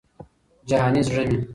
جهاني زړه مي